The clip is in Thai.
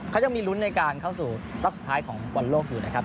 เขายังมีลุ้นในการเข้าสู่รอบสุดท้ายของบอลโลกอยู่นะครับ